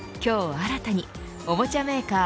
新たにおもちゃメーカー